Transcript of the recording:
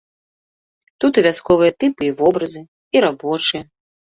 Тут і вясковыя тыпы і вобразы, і рабочыя.